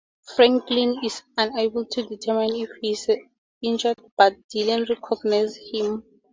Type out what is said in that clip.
Franklin is unable to determine if he is injured; but Delenn recognizes him.